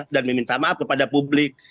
meminta maaf kepada publik